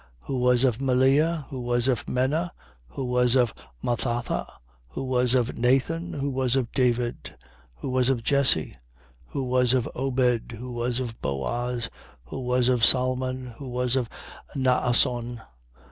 Who was of Melea, who was of Menna, who was of Mathatha, who was of Nathan, who was of David, 3:32. Who was of Jesse, who was of Obed, who was of Booz, who was of Salmon, who was of Naasson, 3:33.